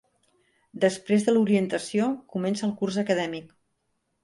Després de l'Orientació, comença el curs acadèmic.